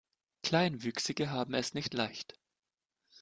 Kleinwüchsige haben es nicht leicht.